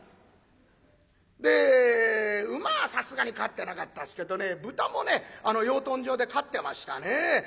で馬はさすがに飼ってなかったっすけどね豚もねあの養豚場で飼ってましたね。